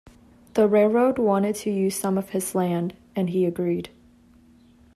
The railroad wanted to use some of his land, and he agreed.